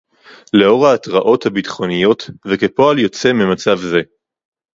לאור ההתרעות הביטחוניות וכפועל יוצא ממצב זה